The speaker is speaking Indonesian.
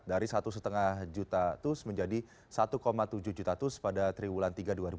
dari satu lima juta tus menjadi satu tujuh juta tus pada triwulan tiga dua ribu dua puluh